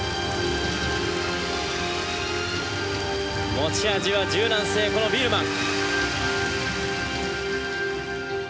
持ち味は柔軟性このビールマン。